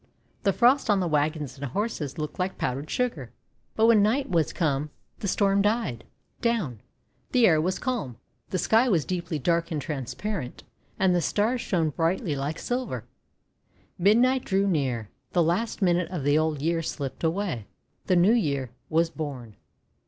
The Frost on the wagons and horses looked like powdered sugar. But when night was come the storm died THE NEW YEAR 439 down. The air was calm, the Sky was deeply dark and transparent, and the Stars shone brightly like silver. Midnight drew near, — the last minute of the Old Year slipped away, the New Year was born.